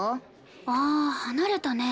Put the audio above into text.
ああ離れたね。